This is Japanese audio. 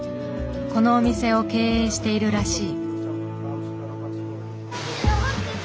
このお店を経営しているらしい。